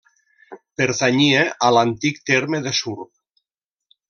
Pertanyia a l'antic terme de Surp.